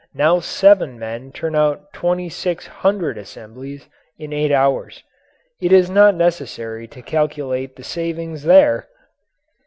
Now seven men turn out twenty six hundred assemblies in eight hours. It is not necessary to calculate the savings there!